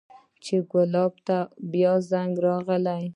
چې ګلاب ته بيا زنګ راغى.